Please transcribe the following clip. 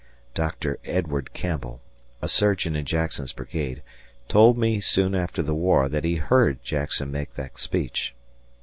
Doctor Edward Campbell, a surgeon in Jackson's brigade, told me soon after the war that he heard Jackson make that speech.